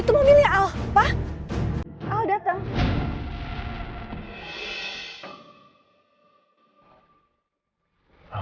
itu mobilnya apa kau datang